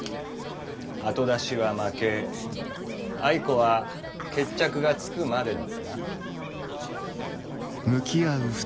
あと出しは「負け」あいこは決着がつくまでだったな。